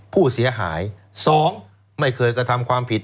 ผู้เสียหาย๒ไม่เคยกระทำความผิด